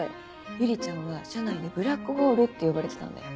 百合ちゃんは社内でブラックホールって呼ばれてたんだよ。